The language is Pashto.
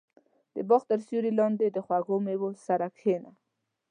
• د باغ تر سیوري لاندې د خوږو مېوو سره کښېنه.